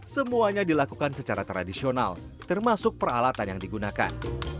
semuanya dilakukan secara tradisional termasuk peralatan yang digunakan